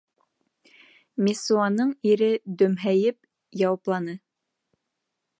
— Мессуаның ире дөмһәйеп яуапланы.